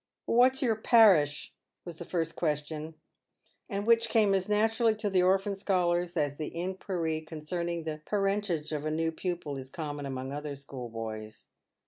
" "What's your parish ?" was the first question, and which came as naturally to the orphan scholars as the inquiry concerning the parentage of a new pupil is common among other schoolboys.